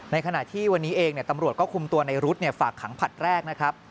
ขณะที่วันนี้เองตำรวจก็คุมตัวในรุ๊ดฝากขังผลัดแรกนะครับ